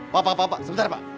pak pak pak pak sebentar pak